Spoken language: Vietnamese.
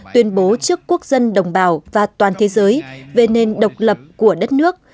tuyên bố trước quốc dân đồng bào và toàn thế giới về nền độc lập của đất nước